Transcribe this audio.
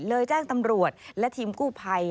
แจ้งตำรวจและทีมกู้ภัย